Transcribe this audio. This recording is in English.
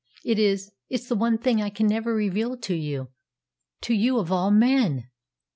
It is it's the one thing that I can never reveal to you to you of all men!"